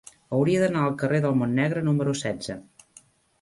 Hauria d'anar al carrer del Montnegre número setze.